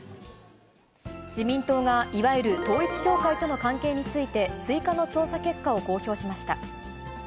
自民党が、いわゆる統一教会との関係について、追加の調査結果を公表しました。